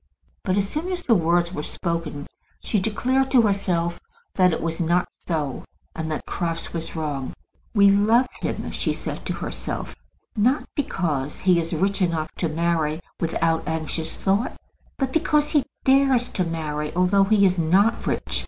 But as soon as the words were spoken she declared to herself that it was not so, and that Crofts was wrong. "We love him," she said to herself, "not because he is rich enough to marry without anxious thought, but because he dares to marry although he is not rich."